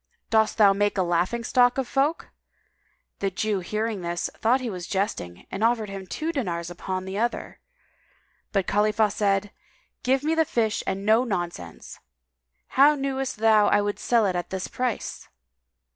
Dost thou make a laughing stock of folk?" The Jew hearing this thought he was jesting and offered him two dinars upon the other, but Khalifah said, "Give me the fish and no nonsense. How knewest thou I would sell it at this price?"